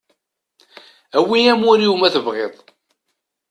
Awi amur-iw ma tebɣiḍ.